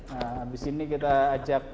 nah habis ini kita ajak